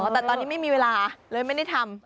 แต่ตอนนี้ไม่มีเวลาเลยไม่ได้ทำ